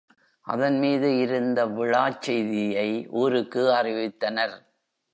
அதன் மீது இருந்து விழாச் செய்தியை ஊருக்கு அறிவித்தனர்.